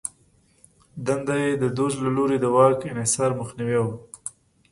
دنده یې د دوج له لوري د واک انحصار مخنیوی و